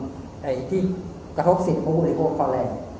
ในที่กระทบสิทธิ์ของผู้บริโภคข้อแรก